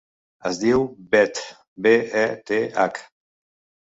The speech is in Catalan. Es diu Beth: be, e, te, hac.